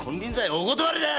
お断りだ！